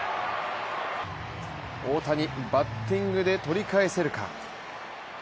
大谷、バッティングで取り返せるか。